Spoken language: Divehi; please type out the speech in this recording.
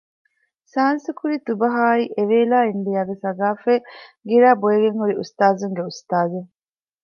ސާންސުކުރިތުބަހާއި އެވޭލާ އިންޑިއާގެ ސަގާފަތް ގިރައިބޮއިގެން ހުރި އުސްތާޒުންގެ އުސްތާޒެއް